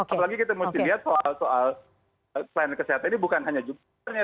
apalagi kita mesti lihat soal soal selain kesehatan ini bukan hanya jumlah bedanya